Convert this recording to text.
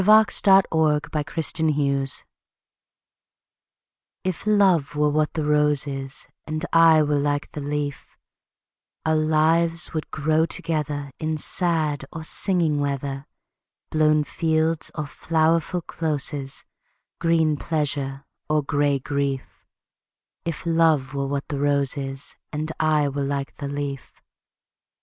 Algernon Charles Swinburne A Match IF love were what the rose is, And I were like the leaf, Our lives would grow together In sad or singing weather, Blown fields or flowerful closes, Green pasture or gray grief; If love were what the rose is, And I were like the leaf.